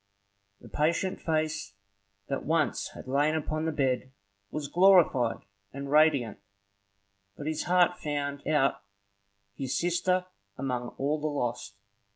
The patient face that once had lain upon the bed was glorified and radiant, but his heart found out his sister among all the host.